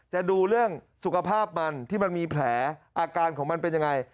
จะดูเรื่องสุขภาพมันที่มันมีแผลอาการของมันเป็นยังไง